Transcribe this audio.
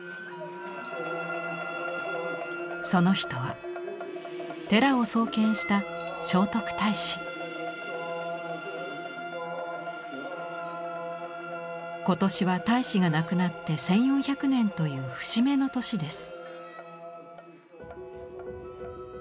その人は寺を創建した今年は太子が亡くなって１，４００年という節目の年です。